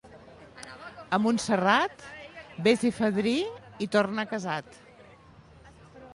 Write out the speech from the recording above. A Montserrat, ves-hi fadrí i torna casat.